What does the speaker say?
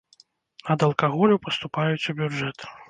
Ад алкаголю паступаюць у бюджэт.